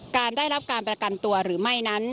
การได้รับการประกันตัวหรือไม่นั้น